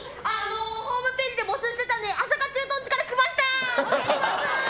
ホームページで募集していたので朝霞駐屯地から来ました！